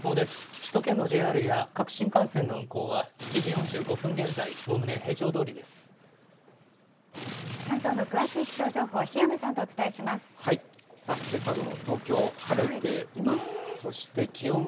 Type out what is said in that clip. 首都圏のＪＲや各新幹線の運行は、７時４５分現在、関東の詳しい気象情報、檜山けさの東京、晴れています。